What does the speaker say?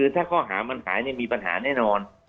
ถ้าข้อหามันหายมีปัญหาแน่นอน